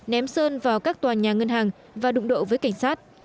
ném sơn vào các tòa nhà ngân hàng và đụng độ với cảnh sát